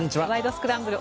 スクランブル」